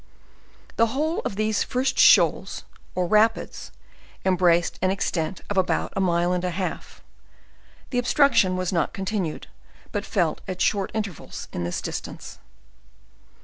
The whole of these first shoals, or rapids, embraced an ex tent of about a mile and a half; the obstruction was not con tinued, but felt at short intervals in this distance.